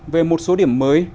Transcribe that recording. về một số điểm mới